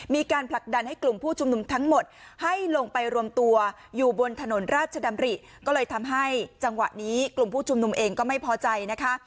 มีการผลักดันให้กลุ่มผู้ชุมนุมทั้งหมดให้ลงไปรวมตัวอยู่บนถนนราชดำริก็เลยทำให้จังหวะนี้กลุ่มผู้ชุมนุมเองก็ไม่พอใจนะคะ